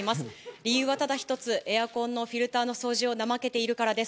理由はただ一つ、エアコンのフィルターの掃除を怠けているからです。